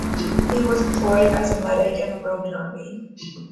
He was employed as a medic in the Roman army.